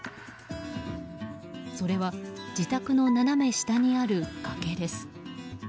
それは自宅の斜め下にある崖です。